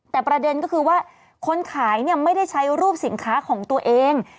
แต่ประเด็นก็คือว่าคนขายไม่ได้ใช้รูปสินค้าของตัวเอง